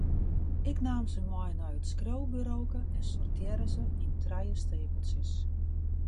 Ik naam se mei nei it skriuwburoke en sortearre se yn trije steapeltsjes.